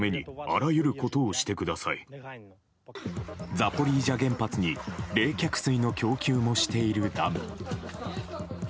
ザポリージャ原発に冷却水の供給もしているダム。